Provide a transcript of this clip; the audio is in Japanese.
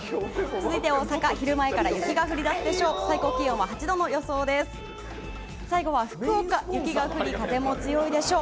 続いて大阪、昼前から雪が降り出すでしょう。